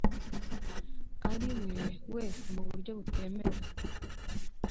ari we wese mu buryo butemewe